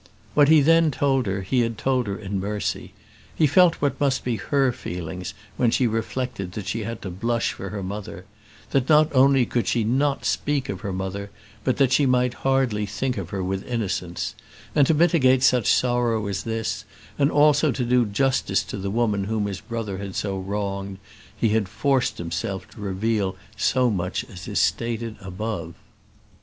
What he then told her he had told in mercy. He felt what must be her feelings when she reflected that she had to blush for her mother; that not only could she not speak of her mother, but that she might hardly think of her with innocence; and to mitigate such sorrow as this, and also to do justice to the woman whom his brother had so wronged, he had forced himself to reveal so much as is stated above.